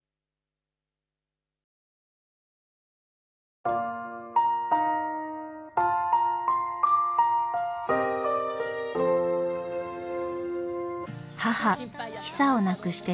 母ヒサを亡くして３年。